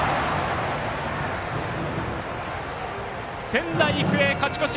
仙台育英、勝ち越し！